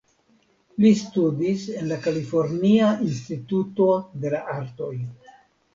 Li studis en la Kalifornia Instituto de la Artoj.